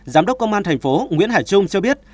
giám đốc công an thành phố nguyễn hải trung cho biết